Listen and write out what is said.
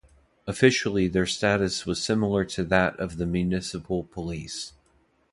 Officially their status was similar to that of the Municipal Police.